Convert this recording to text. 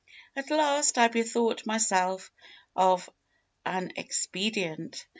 At last I bethought myself of an expedient.